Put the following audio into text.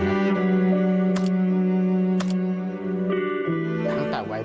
เรื่องราวของคุณต้นจะน่าสนใจขนาดไหน